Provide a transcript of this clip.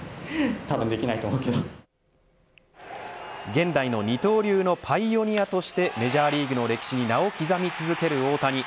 現代の二刀流のパイオニアとしてメジャーリーグの歴史に名を刻み続ける大谷。